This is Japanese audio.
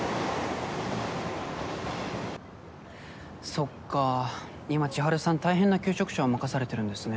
そっか今千晴さん大変な求職者を任されてるんですね。